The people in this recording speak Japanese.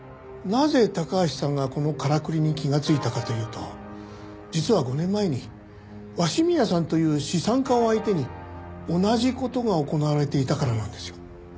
なぜ高橋さんがこのからくりに気がついたかというと実は５年前に鷲宮さんという資産家を相手に同じ事が行われていたからなんですよ。